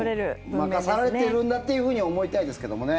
任されているんだっていうふうに思いたいですけどもね。